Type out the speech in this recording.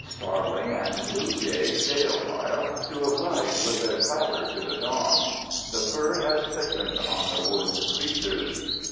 Starling and blue jay stay awhile to oblige with their clatter to the dawn. The fur has thickened on the woods creatures.